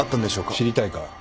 知りたいか？